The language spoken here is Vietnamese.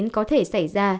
có thể xảy ra